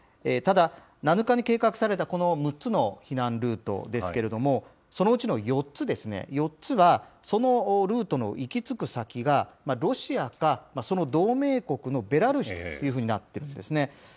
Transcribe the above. ただ、７日に計画されたこの６つの避難ルートですけれども、そのうちの４つですね、４つは、そのルートの行きつく先がロシアか、その同盟国のベラルーシというふうになっているんですね。